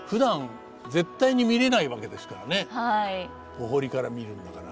お堀から見るんだから。